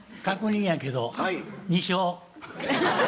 確認やけど２勝？